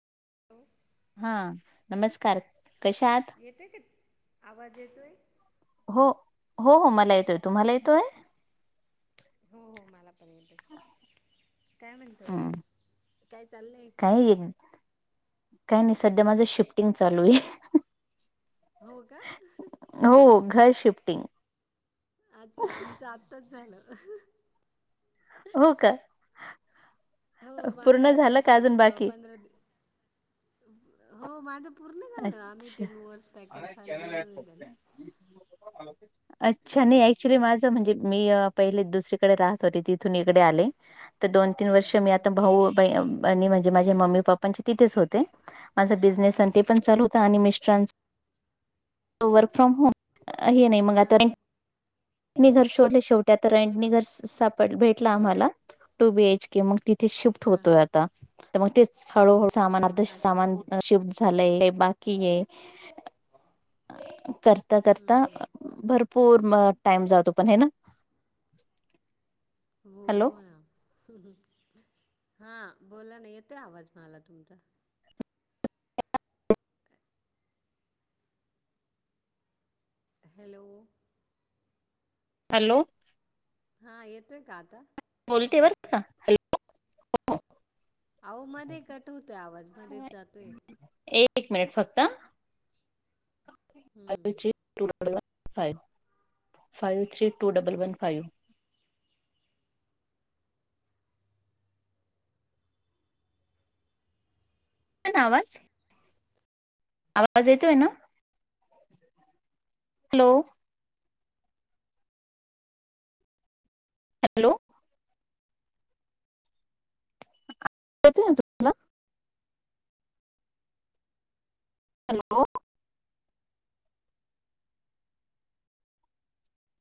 Hello हा, नमस्कार कशा आहात? येते का? आवाज येतो आहे. हो हो हो मला येतोय, तुम्हाला येतोय? हो पण येतय, म्हणतय बोला काय चाललंय- ह. [unintelligible] काय नाही, सध्या माझं शिफ्टिंग चालू आहे. हो का. हो घर शिफ्टिंग. अच्छा! आमचं आत्ताच झालं. हो का? हो माझा पूर्ण झालं आत्ताच का आठ अजून बाकी पंधरा दि- हो माझं पूर्ण झालं, आम्ही ते अच्छा वर्स पॅकर आले बोलव हो त्या ना. हॅलो अच्छा नाही ऍक्च्युली माझं, म्हणजे मी पहिले दुसरीकडे राहत होते तिथून इकडे आले- तर दोन तीन वर्ष मी हां आता भाऊ म्हणजे माझे मम्मी पप्पांचे तिथेच होते. माझा बिझनेस हां आणि ते पण चालू होतं, आणि मिस्टरांचा, वर्क फ्रॉम होम. हे नाही मग आता. हां घर शोले शेवट्या तर, रंटनी घर सापड भेटला आम्हाला. टू बीएच- मग तिथे शिफ्ट हां होतोय आता मग ते हळूहळ सामान आता अच्छा सामान. अच्छा हम्म, [unintelligible] झालंय बाकी आहे. करता करता हम्म. भरपूर टाईम जातोय पण हो ना- हो हॅलो. हो ना. हा बोला ना, येते आवाज मला तुमचा. हॅलो. हॅलो. हा येतोय का आता? बोलते बर का, हॅलो हो. अहो मध्ये कट होतोय आवाज मध्येच जातोय. एक मिनिट फक्त. Five hmm. Three two double one five. येतोय ना आवाज? आवाज येतोय ना? हॅलो. हॅलो. [unintelligible] हॅलो.